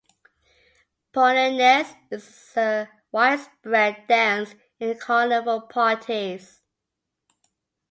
Polonaise is a widespread dance in carnival parties.